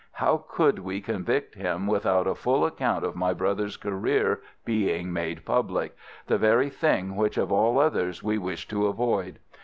How could we convict him without a full account of my brother's career being made public—the very thing which of all others we wished to avoid?